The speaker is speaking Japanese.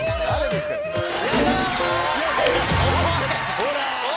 ほら！